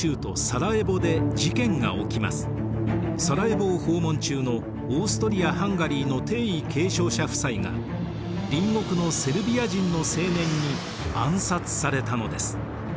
サライェヴォを訪問中のオーストリア・ハンガリーの帝位継承者夫妻が隣国のセルビア人の青年に暗殺されたのです。